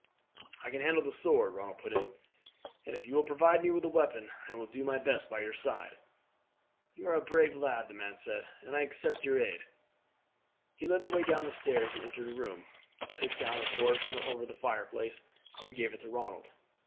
"I can handle the sword," Ronald put in; "and if you will provide me with a weapon I will do my best by your side." "You are a brave lad," the man said, "and I accept your aid." He led the way down stairs and entered a room, took down a sword from over the fireplace, and gave it to Ronald.